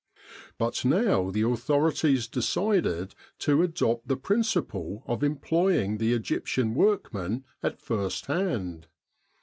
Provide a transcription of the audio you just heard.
But now the authorities decided to adopt the principle of employing the Egyptian workmen at first hand.